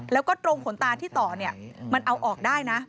แล้วก็ตรงขนตาที่ต่อเนี่ยมันเอาออกได้นะ